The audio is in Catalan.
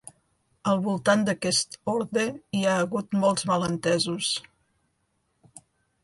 Al voltant d'aquest orde hi ha hagut molts malentesos.